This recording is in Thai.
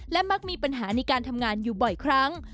และมักมีปัญหาในการทำงานอยู่บ่อยครั้ง